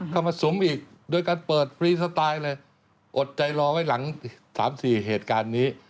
เข้ามาสุมอีกโดยการเปิดฟรีสไตล์เลยอดใจรอไว้หลัง๓๔เหตุการณ์นี้